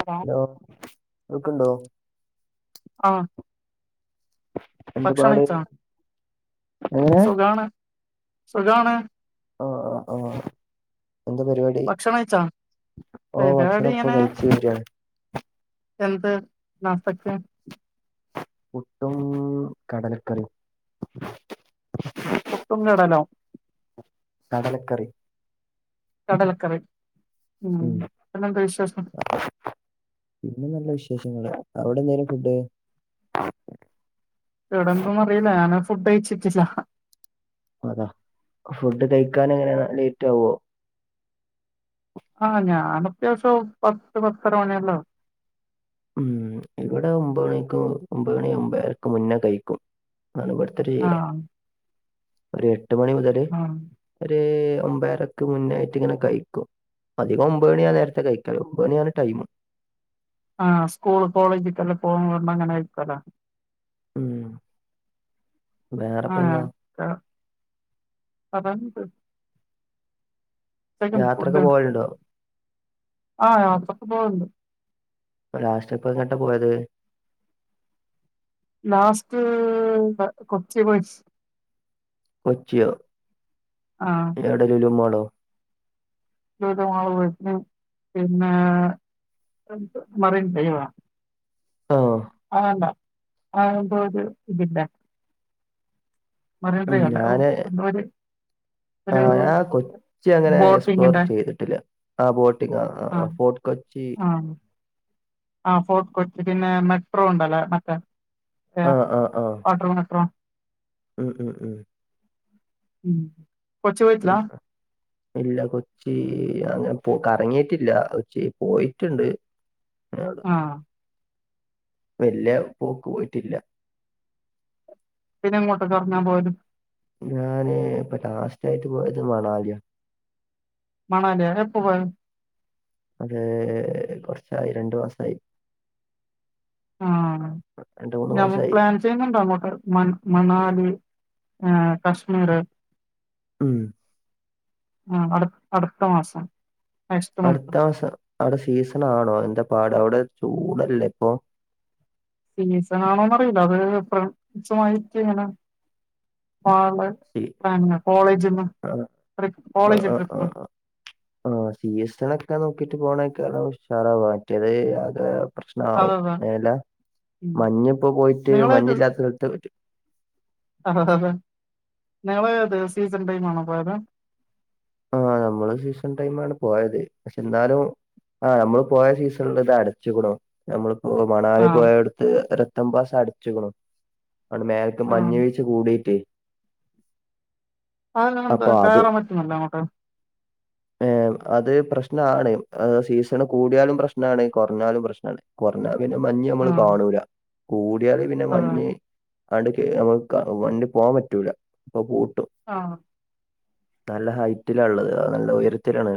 Hello ആഹ് കേക്ക്ണ്ടോ? ആഹാ. എന്താപാട്? കഴിച്ചോ സുഖാണ്, സുഖാണ്. ആഹ്, ആഹ്, ആഹ്, എന്താ പരിപാടി? ഭക്ഷണം കഴിച്ചോ ഓഹ് പരിപാടി ഭക്ഷണപ്പൊ ഇങ്ങനെ കഴിച്ചിരിക്കാണ്. എന്ത് നാസ്തക്ക? പുട്ടും, കടലക്കറിം. പട്ടും കടലോ? കടലക്കറി. കടലക്കറി ഉം പിന്നെന്താ വിശേഷം പിന്നെ നല്ല വിശേഷങ്ങള് അവിടെ എന്തേന്നു ഫുഡ് ഇവിടെന്തോന്ന് അറിയില്ല ഞാൻ ഫുഡ് കഴിച്ചിട്ടില്ല. അതോ ഫുഡ് കഴിക്കാൻ എങ്ങനെ ലേറ്റാവോ ആഹ് ഞാൻ അത്യാവശ്യം പത്ത് പത്തരമണിയെല്ലോ ആകും. ഉം ഇവിടെ ഒമ്പത് മണിക്ക് ഒമ്പത് മണി ഒമ്പേരക്ക് മുന്നേ കഴിക്കും. ആണോ അടുത്തെ ചെയ്യാം ആഹ് ഒരു എട്ട് മണി മുതലേ ആഹ് ഒര് ഒമ്പരക്ക് മുന്നായിട്ട് ഇങ്ങനെ കഴിക്കും അധികം ഒമ്പത് മണിയാ നേരത്തെ കഴിക്കല് ഒമ്പത്ണിയാണ് ടൈം. ആഹ് സ്കൂള് കോളേജെല്ലാം പോകണ്ട അങ്ങനെ കഴിക്കല്ല ഉം വേറെപ്പ ആഹ് എന്താ ക്ക അതെന്ത് [unintelligible] ഫുഡ് യാത്രൊക്കെ ആഹ് പോവലുണ്ടോ [unintelligible] ലാസ്റ്ററ്റ്പ്പ എങ്ങോട്ടാ പോയത് ലാസ്റ്റ് കൊച്ചി പോയി കൊച്ചിയോ ആഹ് എവിടെ ലുലുമാളോ ലുലുമാള് പോയി പിന്നെ മറൈൻ ഡ്രൈവോ ഓഹ് അആണ്ട പഴംപൊരി ഇതില്ലേ മറൈൻ ഉം ഡ്രൈവല്ല ഞാന് [inaudible] ആഹ് ഞാൻ കൊച്ചി അങ്ങനെ എക്സ്പ്ലോർ ബോട്ടിങ്ങിന്റെ ചെയ്തിട്ടില്ല. ആഹ് ബോട്ടിംഗ ആഹ് ആഹ് ഫോർട്ട് കൊച്ചി. ആഹ് ഫോർട്ട് കൊച്ച് പിന്നെ മെട്രോ ഉണ്ടല്ലേ മറ്റേ ആഹ് ആഹ് ആഹ് വാട്ടർ മെട്രോ ഉം ഉം ഉം ഉം കൊച്ചി പോയിട്ടില്ല ഉം അഹ് ഇല്ല കൊച്ചി അങ്ങനെ പോ കറങ്ങിയിട്ടില്ല കൊച്ചി പോയിട്ടുണ്ട്. ആ വല്യ പോക്ക് പോയിട്ടില്ല. പിന്നെ എങ്ങോട്ടൊക്ക കറങ്ങാൻ പോവല് ഞാന് ഇപ്പൊ ലാസ്റ്റ് ആയിട്ട് പോയത് മണാലിയ മണാലിയ എപ്പൊ പോയി അത് കൊറച്ചായി രണ്ടു മാസായി ആഹ് രണ്ട് മൂന്ന് നമ്മ മാസായി പ്ലാൻ ചെയ്യുന്നുണ്ട് അങ്ങോട്ട് മണാലി കശ്മീർ ഉം. ആഹ് അടു അടുത്ത മാസം. നെക്സ്റ്റ് മന്ത് അടുത്ത മാസം അവിടെ സീസൺ ആണോ എന്താ പാട് അവിടെ ചൂടല്ലേ ഇപ്പൊ സീസൺ ആണോന്ന്റിയില്ല അത് സീ- [unintelligible] കോളേജ്ന്ന് ആ ട്രിപ്പ് കോളേജ് ട്രിപ്പ് ആഹ് സീസൺ ഒക്കെ നോക്കിട്ട് പോണേക്ക ഉഷാറാ മറ്റേത് അതെ പ്രശ്നമാവും അതെ അങ്ങനെ അല്ലാ ഉം മഞ് ഇപ്പോ പോയിട്ട് നിങ്ങളേത് സ- മഞ്ഞില്ലാത്ത സ്ഥലത്ത് അതെ ഹ അതെങ്ങള് സീസൺ ടൈമ് ആണോ പോയത് ആഹ് നമ്മള് സീസൺ ടൈം ആണ് പോയത് പക്ഷെ എന്നാലും ആഹ് നമ്മള് പോയ സീസണില് ഇത് അടച്ചുക്കുണോ നമ്മളിപ്പോ മണാലി ആഹ് പൊയോട്ത് സമയത്ത് ഒരു ഏറ്റോമ്പത് ദിവസം അടച്ചുക്ണൂ ആണ് മേലക്ക് ആഹ് മഞ്ഞ് വീഴ്ച്ചകൂടിട്ട് അങ്ങനെന്താ അപ്പൊ കയറാൻ പറ്റുന്നല്ല അങ്ങോട്ട് ഏഹ് അത് പ്രശ്നാണ് അത് സീസൺ കൂടിയാലും പ്രശ്നാണ് കുറഞ്ഞാലും പ്രശ്നാണ്. കുറഞ്ഞ പിന്നെ മഞ്ഞ് നമ്മള് ആഹ് കാണൂല കൂടിയാല് പിന്നെ അതെ മഞ്ഞ് അങ്ങട്ട് കേറാ വണ്ടി പോകാൻ പറ്റൂല അപ്പൊ പൂട്ടും ആഹ് നല്ല ഹൈറ്റിലാള്ളത് നല്ല ഉയരത്തിലാണ്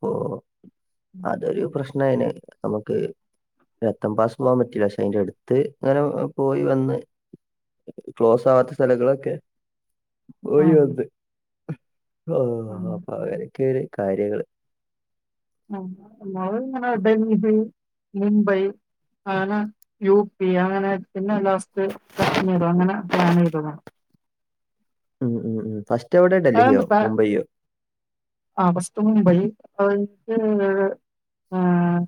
പ്പോ അതൊരു പ്രശ്നായ്നെ നമുക്ക് രത്തം പാസ് പോവാൻ പറ്റില്ല പക്ഷെ അയ്ന്റട്ത്ത് ങ്ങനെ പോയി വന്ന് ക്ലോസാവാത്ത സ്ഥലങ്ങളൊക്കെ പോയി ആഹ് വന്ന് ആഹ് അപ്പൊ അങ്ങനൊക്കെ ഒര് കാര്യങ്ങള് [unintelligible] ഡൽഹി മുംബൈ അനെ യു പി അങ്ങനെ പിന്നെ ലാസ്റ്റ് കശ്മീർ അങ്ങനെ പ്ലാനെയ്തതാണ് ഉം ഉം ഉം ഫസ്റ്റെവിടെ ഡൽഹിയോ മുംബൈയോ ആഹ് ഫസ്റ്റ് മുംബൈ അത് കഴിട്ട് ആഹ്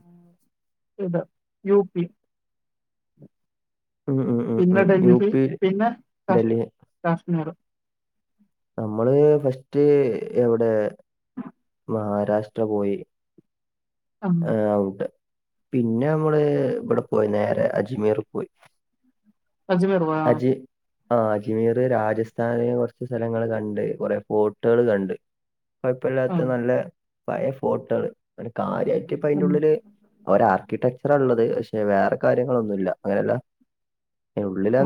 ഇവിടെ യുപി ഉം ഉം ഉം പിന്നെ ഉം ഡൽഹി യുപിയിൽ പിന്നെ കാശ് ഡൽഹി കാശ്മീർ നമ്മള് ഫസ്റ്റ് എവിടെ മഹാരാഷ്ട്ര പോയി ആഹ് അവ്ടെ പിന്നെയമ്മള് ഇവിടെ പോയി നേരെ അജ്മീറ് പോയി അജ്മേറോ അജ് ആഹ് അജ്മീറ് രാജസ്ഥാന് കൊറച്ച് സ്ഥലങ്ങള് കണ്ട് കൊറെ ഫോർട്ടുകള് കണ്ട് കൊയപ്പല്ലാത്ത ആഹ് നല്ല പയേ ഫോർട്ടുകള് ആഹ് കാര്യായിട്ടിപ്പയിന്റുള്ളില് ഒരാർക്കിടെക്ചറാള്ളത് പക്ഷേ വേറെ കാര്യങ്ങളൊന്നുല്ല അങ്ങനെല്ല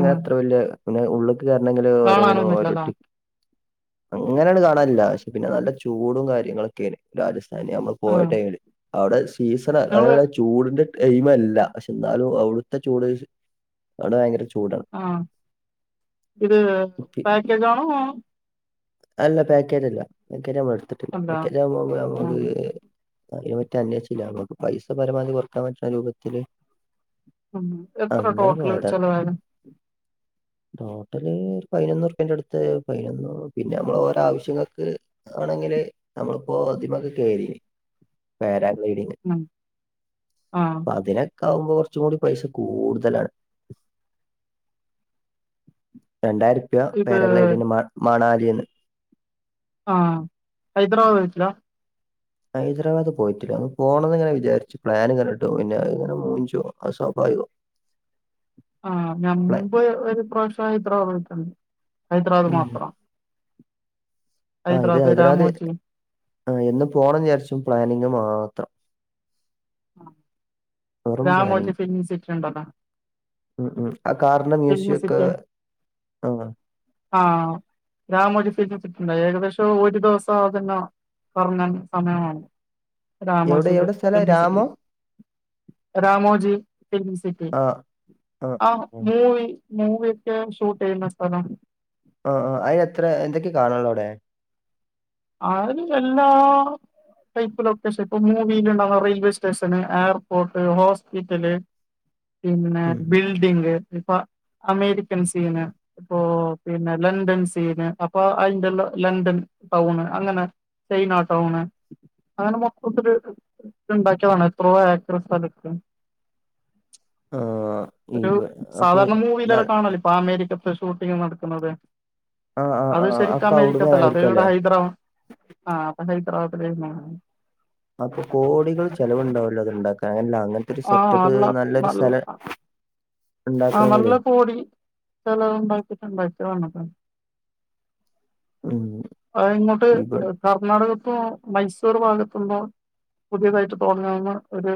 ആഹ് വല്യ പിന്നെ ഉള്ള്ക്ക് കേറണങ്കില് ഓരോന്നിനും ഓരോ കാണാനൊന്നുല്ലല്ലോ ടിക്ക അങ്ങനാട് കാണാനില്ല പക്ഷെ പിന്ന നല്ല ചൂടും കാര്യങ്ങളൊക്കേനു രാജസ്ഥാനി അമ്മള് പോയ ആഹ് ടൈംമില് അവിടെ സീസണ നിങ്ങള് [unintelligible] ചൂടിന് ടൈമല്ല പക്ഷെന്നാലും അവിടുത്തെ ചൂട് അവിടെ ഭയങ്കര ചൂടാണ് ആഹ് ഇത് പി- പാക്കേജാണോ അ അല്ല പാക്കേജല്ല പാക്കേജമ്മളെടുത്തിട്ടില്ല അല്ല പാക്കേജ് ആവുമ്പോ അം അമ്മക്ക് ആഹ് അതിനെ പറ്റി അന്വേഷിച്ചില്ല അമ്മക്ക് പൈസ പരമാധി കൊറക്കാൻ പറ്റുന്ന രൂപത്തിൽ ഉം എത്ര ടോട്ടല് പോയതാണ് ചെലവായത് ടോട്ടല് ഒര് പൈനൊന്ന് റുപ്യേന്റടുത്ത് പൈനൊന്ന് പിന്നെ നമ്മളോരോ ആവശ്യങ്ങക്ക് ആണെങ്കില് അമ്മളിപ്പോ ഇതീമേക്ക് കേറീനി പാരാഗ്ലൈഡിങ് ആഹ് ആഹ്.. അതിനൊക്കാവുമ്പോ കൊറച്ചും കൂടി പൈസ കൂടുതലാണ് രണ്ടായിരുപ്യ ഇത് പേരഗ്ലൈഡിന് മ മാണാലിന്ന് ആഹ് ഹൈദരാബാദ് പോയിട്ടില്ല ഹൈദരാബാദ് പോയിട്ടില്ല ഒന്ന് പോണന്ന്ങ്ങനെ വിചാരിച്ചു പ്ലാന്ങ്ങനട്ടോ പിന്നെ ഇങ്ങനെ [unintelligible] സ്വാഭാവികോ [inaudible] ആഹ് ഞമ്മൻ്പ് ഒരു പ്രാവശ്യം ഹൈദ്രാബാദൊയ്ട്ടുണ്ട് ഹൈദ്രാബാദ് ഉം മാത്രം ആ ഇത് ഹൈദരാബാദ് ഹൈദ്രാദ് രാമോജി ആ എന്നും പോണം വിചാരിച്ചു പ്ലാനിങ് മാത്രം ആ വെറും രാമോജി പ്ലാനിങ് ഫിലിം സിറ്റിണ്ടല്ലോ ഉം ഉം ആ കാറിന്റെ ഫിലിം മ്യൂസിയെക്കെ സിറ്റി ആ ആഹ് രാമോജി ഫിലിം സിറ്റിണ്ട് ഏകദേശം ഒരു ദെവസം അതന്നേണം കറങ്ങാന് സമയം വേണം എവിടെ എവിടെ സ്ഥലം രാമോ [unintelligible] രാമോജി ഫിലിം സിറ്റി ആ ആ ആ ആഹ് ആ. മൂവി മൂവിയെക്കെ ഷൂട്ട് ചെയ്യുന്ന സ്ഥലം ആഹ് ആഹ് അയ്നെത്ര എന്തൊക്കെയ കാണാള്ളോവ്ടെ [unintelligible] എല്ലാ ടൈപ്പ് ലൊക്കേഷൻ ഇപ്പ movie [unintelligible] railway station airport hospital പിന്നെ ഉം. ബിൽഡിങ് ഇപ്പ അമേരിക്കൻ സീന് ഇപ്പോ പിന്നെ ലണ്ടൻ സീന് അപ്പൊ അതിന്റെള്ള ലണ്ടൻ ടൗണ് അങ്ങനെ ചൈനാ ടൗണ് അങ്ങനെ, മൊത്തത്തില് ണ്ടാക്കിയതാണ് എത്രയോ, ഏക്കർ സ്ഥലത്ത്. ആഹ്‌. ഒരു, സാധാരണ മൂവിയിലല്ലെ കാണല്ലോ? ഇപ്പൊ, അമേരിക്കത്തെ ഷൂട്ടിംഗ് നടക്കുന്നത്. ആ ആ അത്, ആ ശരിക്കും ഒക്കെ അവിടുന്ന് അമേരിക്കത്തല്ല. അത് ആയിരിക്കും ഇവിടെ അല്ലേ ഹൈദരം. ആഹ്, അപ്പ, ഹൈദരാബാദിലായ് രുന്നു. അപ്പൊ, കോടികൾ ചെലവുണ്ടാവല്ലോ? അത്, ണ്ടാക്ക ല്ല അങ്ങന ഒരു ആ സെറ്റപ്പ്, നല്ല നല്ലൊരു സ്ഥലം. ആഹ്, ഉണ്ടാക്കണെങ്കിലേ നല്ല കോടി ചിലവ്. ണ്ടാക്കിട്ടുണ്ടാ [unintelligible] ഉം ആഹ്, ഇങ്ങോട്ട്. ഇവ കർണാടകത്തോ, മൈസൂർ ഭാഗത്തുന്നോ, പുതിയതായിട്ട് തൊട് ങ്ങവുന്ന ഒരു.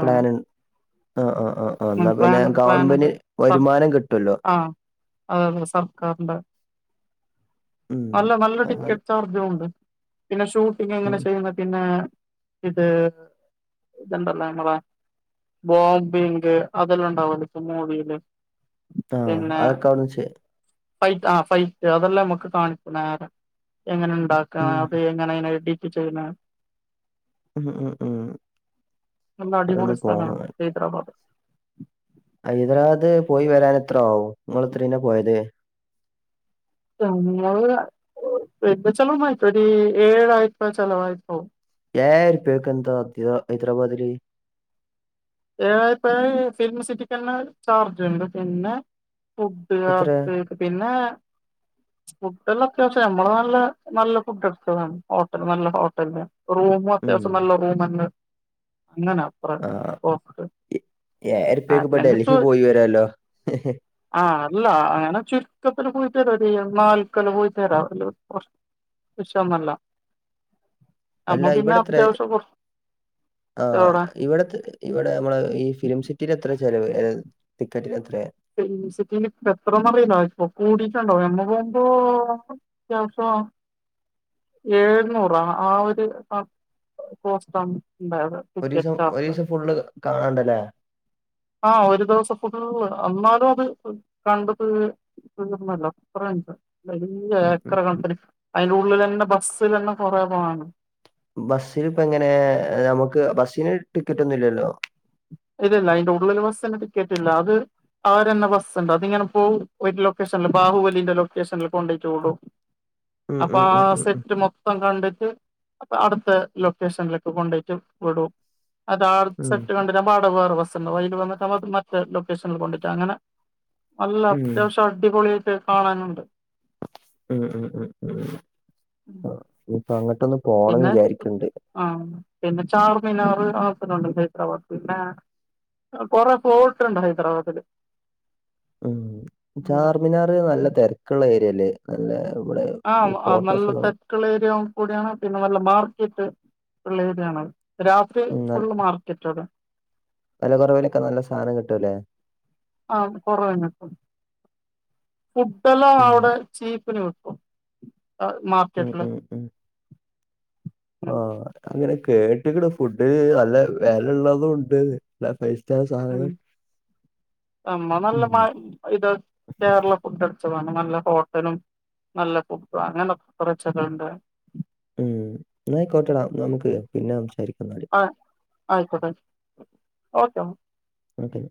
പ്ലാൻ ആ ആ ആ ആ എന്നാ പിന്നെ പ്ലാൻണ്ട് ഗവൺമെന്റ് സർക്ക വരുമാനം കിട്ടുവല്ലോ ആഹ്, അതെതെ സർക്കാർണ്ട്! ഉം അല്ല, നല്ല, അങ്ങനെ ടിക്കറ്റ് ചാർജുംണ്ട്. പിന്നെ, ഷൂട്ടിങ് എങ്ങനെ ഉം ചെയ്യുന്ന? പിന്നെ ഇത്. ഇതണ്ടല്ലേ, എ ബോംബിങ് അതെല്ലാം ഉണ്ടാവല്ല. മൂവിയില്, ആഹ് പിന്നെ. അതൊക്കെ അവിടുന്ന് ചെയ്യ ഫൈറ്റ് ആഹ്, ഫൈറ്റ് അതെല്ലാം നമുക്ക് കാണിക്ക നേര, എങ്ങനെ ണ്ടാക്ക ഉം അത്. ങ്ങനെ അയിന് ടിക്ക് ചെയ്യണെ? ഉം ഉം ഉം നല്ല, അതൊന്ന് അടിപൊളി സ്ഥല പോണം മാണ്. ഹൈദരാബാദ്. ഹൈദരാവാദ് പോയി വരാൻ എത്ര ആവും? ങ്ങള് എത്രീന പോയത്. [unintelligible] ഏയായിർപ്പക്ക് ന്ത, ഹൈദരാബാദ്ല്. ഏയാർപ്പ ഫിലിം സിറ്റിക്ക് തന്നെ ചാർജ്ണ്ട് പിന്നെ. ഫുഡ്, എത്ര അത്‌, തൊക പിന്നെ. ഫുഡല് ത്യാവശ്യം. നമ്മള് നല്ല നല്ല ഫുഡ് എടുത്തതാണ്. ഹോട്ടല് നല്ല ഹോടൽന്ന്. റൂമും ഉം അത്യാശ്യം, നല്ല റൂമന് ങ്ങനെ. ആഹ്, ഏയർപ്പക്ക പ്പ അല്ലെങ്കിൽ ഡൽഹി പോയി വരല്ലോ? ആഹ്, അല്ല, അങ്ങനെ ചുരുക്കത്തില് പോയിതരാ നാൽക്കല് പോയി വരാല്ലോ? വിശ്വന്നല്ല. അല്ല, ഇവിടെ ത്രെ? ആഹ്, അവിടെ ഇവിടത്തെ... ഇവിടെ, നമ്മള ഈ ഫിലിം സിറ്റിൽ എത്രെ ചെലവ്? അല്ല, ടിക്കറ്റിനെത്രെ? ഈ... ഫിലിം സിറ്റിൽ ഇപ്പഎത്രന്നറിയില്ല. ഇപ്പ കൂടിയിട്ടുണ്ടാവോ, എമ്മ പോകുമ്പോ? [unintelligible] ഏഴുന്നൂറാ ആ ഒരു അഹ് കോസ്റ്റാണ് ഉണ്ടായത് ടിക്കറ്റ് ഒരീസം, ചാർജ് ഒരീസം, ഫുള്ള്കാണാണ്ടല്ലേ? ആഹ്, ഒര്ദിവസംഫുള്ള്, ന്നാലും അത് കണ്ടു തീ.. [unintelligible] വലിയ ഉം ഉം ഏക്കറകൺ ക്കിന്, അയ്ന്റെ ഉള്ളിലന്നെ, ബസ്സിലെ ന്നെ കൊറേ പോവാണ്ട്. ബസ്സില് പ്പഎങ്ങനെ.. നമുക്ക് ബസ്സിന് ടിക്കറ്റ് ഒന്നുംല്യ ല്ലോ? ഇല്ലല്ല, അയ്ന്റെ ഉള്ളില്. ബസ്സിന് ടിക്കറ്റ് ഇല്ല, അത്. അവരെന്നെബസ്സ്ണ്ട്. അതിങ്ങനെ പോവും. ഒരു ലൊക്കേഷനില് ബാഹുവലിന്റെ ലൊക്കേഷനില് കൊണ്ടോയിട്ട് വിടും. ഉം അപ്പ, ഉം ഉം ആഹ്, ഉം സെറ്റ്മൊ ത്തംകണ്ടിട്ട്, അട്ത്ത ലൊക്കേഷനിലേക്ക് കൊണ്ടയിട്ട് വിടും. അതാ, ആർ, ഉം സെറ്റ് കണ്ടിലെ പാടെ വേറെ വസ്സ്ണ്ടാവും. അയ്ല് വന്നിട്ട് മറ്റേ ലൊക്കേഷനിൽ കൊണ്ടിട് അങ്ങനെ. അല്ല, ഉം അത്യാവശ്യ അടിപൊളി ആയിട്ട് കാണാനുണ്ട്. ഉം, ഉം, ഉം, ഉ ഇപ്പ അങ്ങട്ടൊന്നും. പിന്നെ, ആഹ്, പിന്നെചാർമിനാറ് അവട തന്നെണ്ട്. ഹൈദരാബാദ്. പിന്നെ, കൊറെ ഫോൾട്ട് ണ്ട് ഹൈദറാബാദില്. ഉം, ചാർമിനാർ നല്ല തെരക്ക്ള്ള ഏര്യല്ലേ? അല്ലേ? ഇവടെ ഫോട്ടോസ്കാണും. ക്ക്ള്ള ഏരിയ കൂട്യണ്. പിന്നെ നല്ല മാർക്കറ്റ് ള്ള ഏര്യാണ്. രാത്രി ഫുള്ള് മാർക്ക [unintelligible] വെലകൊറവിലൊക്കെ നല്ല സാനംകിട്ടൂലെ ആഹ് കൊറേ [unintelligible] ഫുഡല്ലാം ഉം അവടെ ചീപ്പിന് വിക്കും അഹ് മാ ഉം ഉം ഉം ആഹ് ഉം ഞാൻ ങ്ങനെ കേട്ട്ക്ക്ണ് ഫുഡ് നല്ല വെലയള്ളതുണ്ട് ല്ല ഫൈസ്റ്റാർ സാ ഉം അമ്മ നല്ല ഉം ഇത് കേരള ഫുഡ് അട്ച്ചും അന് നല്ല ഹോട്ടലും നല്ല ഫുഡും അങ്ങനൊക്കെ കുറേ ചൊക്കെണ്ട് ഉം ന്നാ അയ്ക്കോട്ടടാ നമുക്ക് പിന്നെ സംസാരിക്കന്നാല് അയ്ക്കോട്ടെ ഓക്കെ ഒ ഓക്കെ